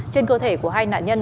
trên cơ thể của hai nạn nhân